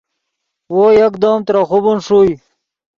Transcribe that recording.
وو یکدم ترے خوبن ݰوئے